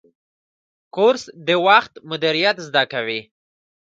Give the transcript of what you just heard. کورس د وخت مدیریت زده کوي.